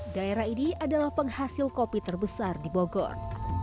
daerah ini adalah penghasil kopi terbesar di bogor